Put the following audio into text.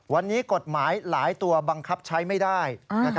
วันนี้กฎหมายหลายตัวบังคับใช้ไม่ได้